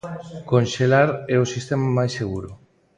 Conxelar é o sistema máis seguro.